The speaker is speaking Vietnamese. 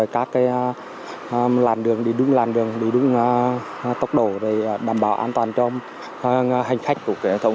các làn đường đi đúng làn đường đi đúng tốc độ để bảo đảm an toàn cho hành khách của giao thông